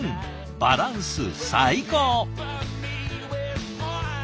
バランス最高！